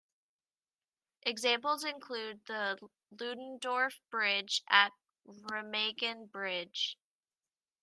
Examples include the Ludendorff Bridge at Remagen bridge.